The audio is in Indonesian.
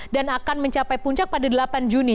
dan akan mencapai puncak pada delapan juni